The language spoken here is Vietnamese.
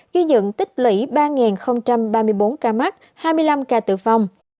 ghi nhận tích lẫy ba ba mươi bốn ca mắc hai mươi năm ca tử vong